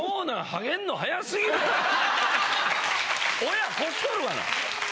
親越しとるがな！